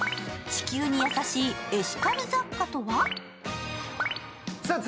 地球に優しいエシカル雑貨とは？